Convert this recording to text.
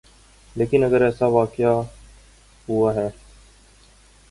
لیکن اگر ایسا واقعی ہوا ہے۔